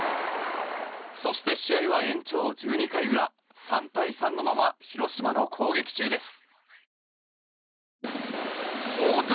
そして試合は延長１２回裏３対３のまま広島の攻撃中です。